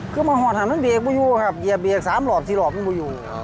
คือมันเบียกไม่อยู่ครับเบียกเบียกสามหลอบสี่หลอบมันไม่อยู่